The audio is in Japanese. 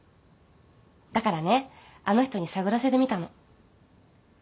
だからねあの人に探らせてみたの。